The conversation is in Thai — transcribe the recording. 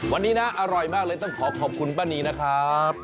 วันนี้นะอร่อยมากเลยต้องขอขอบคุณป้านีนะครับ